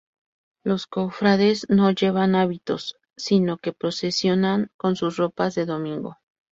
Los cofrades no llevan hábito, sino que procesionan con sus ropas "de domingo".